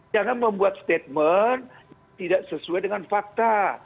jangan membuat statement tidak sesuai dengan fakta